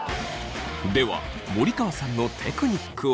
では森川さんのテクニックを。